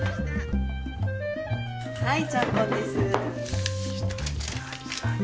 はいちゃんぽんです。